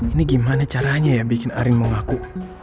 ini gimana caranya ya bikin arin mau ngaku